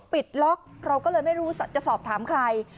ปิดล็อกเราก็เลยไม่รู้จะสอบถามใคร